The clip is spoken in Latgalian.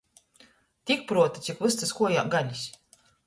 Tik pruota, cik vystys kuojā galis!